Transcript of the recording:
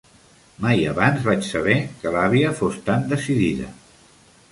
Mai abans vaig saber que l'àvia fos tan decidida.